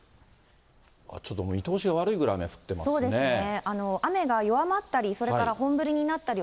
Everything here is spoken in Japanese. ちょっと見通しが悪いぐらい雨が降っていますね。